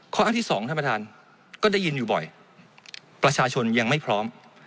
ข้ออ้างที่สองท่านประธานก็ได้ยินอยู่บ่อยประชาชนยังไม่พร้อม